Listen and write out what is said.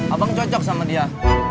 abang cocok sama dia